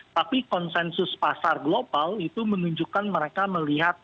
tapi konsensus pasar global itu menunjukkan mereka melihat